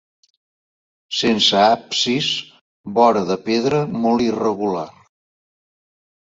Sense absis, bora de pedra molt irregular.